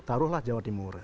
taruhlah jawa timur